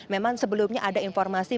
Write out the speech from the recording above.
memang sebelumnya ada informasi